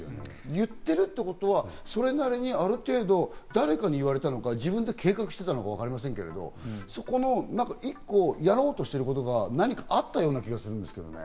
言っているということはそれなりにある程度誰かに言われたのか、自分で計画していたのかわかりませんけど、１個やろうとしていることが何かあったような気がするんですけどね。